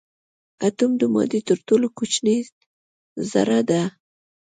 اتوم د مادې تر ټولو کوچنۍ ذره ده.